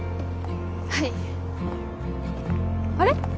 はいあれ？